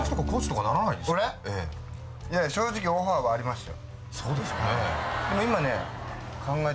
正直、オファーとかはありましたよ。